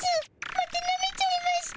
またなめちゃいました。